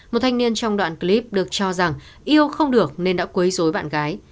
một thanh niên trong đoạn clip được cho rằng yêu không được nên đã quấy dối bạn gái